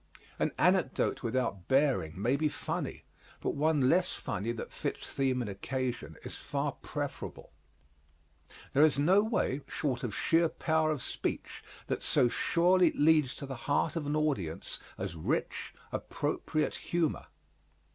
An anecdote without bearing may be funny but one less funny that fits theme and occasion is far preferable. There is no way, short of sheer power of speech, that so surely leads to the heart of an audience as rich, appropriate humor.